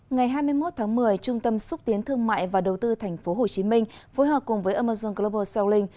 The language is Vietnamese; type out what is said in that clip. ngày hai mươi một tháng một mươi trung tâm xúc tiến thương mại và đầu tư tp hcm phối hợp cùng với amazon global selling